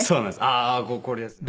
ああーこれですね。